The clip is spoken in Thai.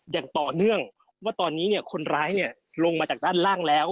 อย่างต่อเนื่องว่าตอนนี้คนร้ายลงมาจากด้านล่างแล้ว